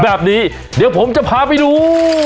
แบบนี้เดี๋ยวผมจะพาไปดู